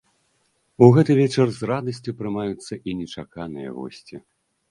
У гэты вечар з радасцю прымаюцца і нечаканыя госці.